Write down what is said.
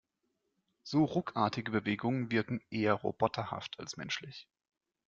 So ruckartige Bewegungen wirken eher roboterhaft als menschlich.